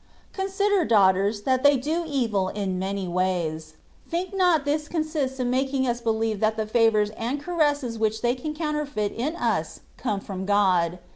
Consider, daughters, that they do evil in many ways ; think not this consists in making us believe that the favours and caresses which they can counterfeit in us come from God.